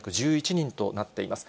３１１人となっています。